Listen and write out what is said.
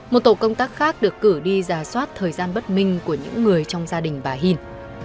một tổ công tác khác được cử đi giả soát thời gian bất minh của những người trong gia đình bà hìn